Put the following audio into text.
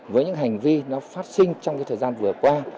với những hành vi nó phát sinh trong thời gian vừa qua